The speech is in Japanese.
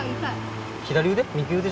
左腕？